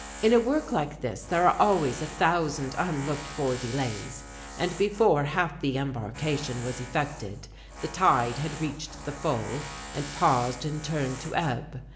In a work like this there are always a thousand unlooked for delays, and before half the embarkation was effected the tide had reached the full, and paused and turned to ebb.